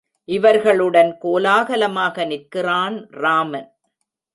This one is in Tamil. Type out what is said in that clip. இவர்களுடன் கோலாகலமாக நிற்கிறான் ராமன்.